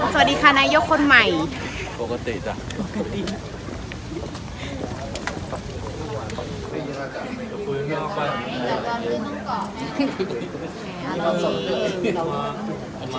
สวัสดีค่ะสุดเต้นมั้ยค่ะสวัสดีค่ะนายยกคนใหม่